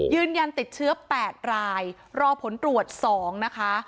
ยืนยันติดเชื้อ๘รายรอผลตรวจ๒นะคะ